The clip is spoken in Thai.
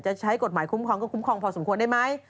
ใช้กฎหมายคุ้มครองก็คุ้มครองพอสมควรได้ไหม